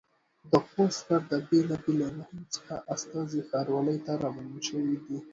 د خوست ښار د بېلابېلو ناحيو څخه استازي ښاروالۍ ته رابلل شوي دي.